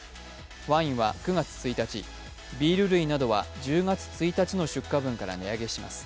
ワインは９月１日、ビール類などは１０月１日の出荷分から値上げします。